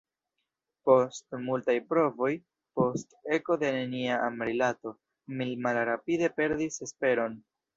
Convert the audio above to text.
Post multaj provoj, post eko de nenia amrilato, mi malrapide perdis esperon.